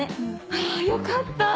あよかった！